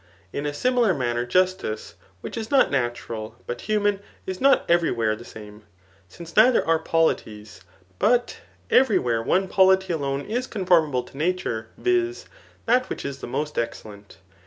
In a similar manner justice, which is not natural, but human, is not every where the same; since neither are polities, but every where one poUty abne is confidrmable to nature, viz. that which is the most excellent.